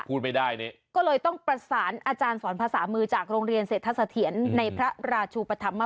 พูดไม่ได้นี่ก็เลยต้องประสานอาจารย์สอนภาษามือจากโรงเรียนเศรษฐสะเทียนในพระราชูปธรรม